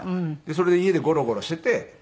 それで家でゴロゴロしてて。